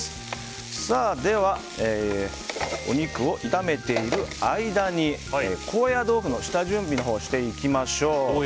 では、お肉を炒めている間に高野豆腐の下準備をしていきましょう。